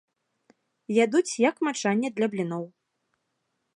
Ядуць як мачанне для бліноў.